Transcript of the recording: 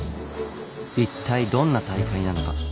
一体どんな大会なのか。